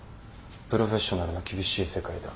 プロフェッショナルの厳しい世界だ。